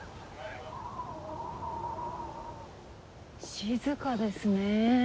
静かですねぇ。